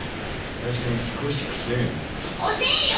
確かに少しくせえなおせえよ！